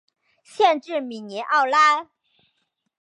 县治米尼奥拉。